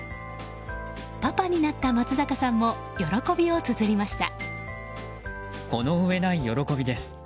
パパになった松坂さんも喜びをつづりました。